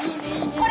これ！